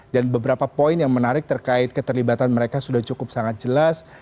dan beberapa poin yang menarik terkait keterlibatan mereka sudah cukup sangat jelas